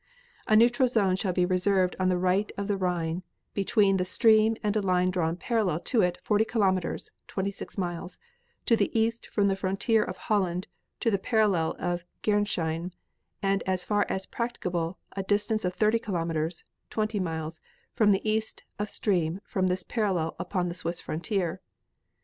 A neutral zone shall be reserved on the right of the Rhine between the stream and a line drawn parallel to it forty kilometers (twenty six miles) to the east from the frontier of Holland to the parallel of Gernsheim and as far as practicable a distance of thirty kilometers (twenty miles) from the east of stream from this parallel upon Swiss frontier.